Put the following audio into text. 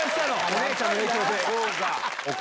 お姉ちゃんの影響で。